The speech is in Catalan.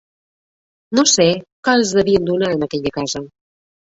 No sé què els devien donar en aquella casa